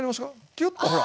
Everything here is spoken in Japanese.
キュッとほら。